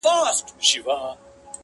لا هم پاڼي پاڼي اوړي دا زما د ژوند کتاب,